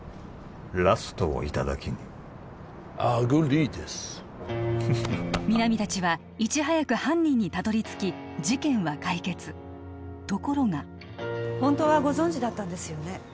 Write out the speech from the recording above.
ラストをいただきにアグリーです皆実達はいち早く犯人にたどり着き事件は解決ところが本当はご存じだったんですよね